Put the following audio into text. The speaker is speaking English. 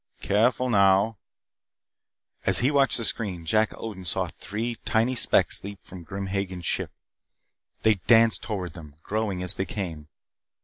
Careful now " As he watched the screen, Jack Odin saw three tiny sparks leap from Grim Hagen's ship. They danced toward them, growing as they came.